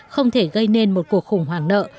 không thể gây nên một cuộc khủng hoảng nợ